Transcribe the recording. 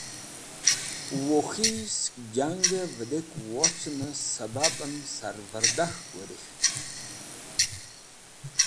Wukhiyisht sẽk jangẽ videk wocnẽ sẽbabẽn sarvẽrdakhk wẽrekht.